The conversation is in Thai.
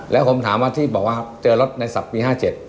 แล้วผมถามว่าที่บอกว่าเจอรถในศัพท์ปี๕๗